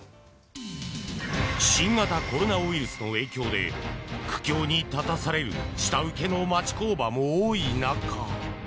新型コロナウイルスの影響で苦境に立たされる下請けの町工場も多い中。